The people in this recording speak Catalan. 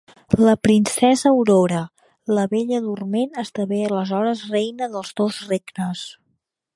La Princesa Aurora, la Bella Dorment, esdevé aleshores reina dels dos regnes.